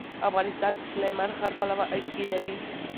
افغانستان د سلیمان غر پلوه اړیکې لري.